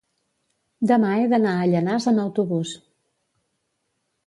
demà he d'anar a Llanars amb autobús.